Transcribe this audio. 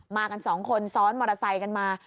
กันสองคนซ้อนมอเตอร์ไซค์กันมา